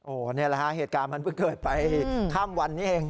โอ้โหนี่แหละฮะเหตุการณ์มันเพิ่งเกิดไปข้ามวันนี้เอง